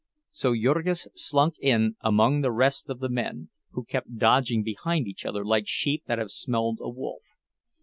So Jurgis slunk in among the rest of the men, who kept dodging behind each other like sheep that have smelled a wolf.